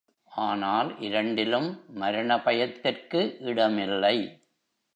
ஆனால், இரண்டிலும் மரண பயத்திற்கு இடமில்லை.